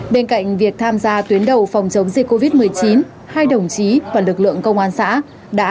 bên cạnh việc tham gia tuyến đầu phòng chống dịch covid một mươi chín hai đồng chí và lực lượng công an xã